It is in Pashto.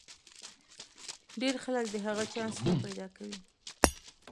ډېر خلک د هغه چانس نه پیدا کوي.